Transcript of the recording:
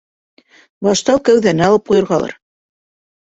Башта кәүҙәне алып ҡуйырғалыр.